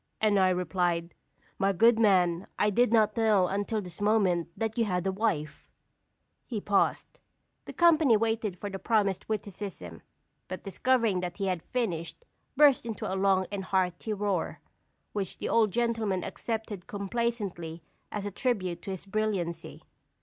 And I replied: 'My good man, I did not know until this moment that you had a wife!'" He paused; the company waited for the promised witticism, but discovering that he had finished, burst into a long and hearty roar, which the old gentleman accepted complacently as a tribute to his brilliancy.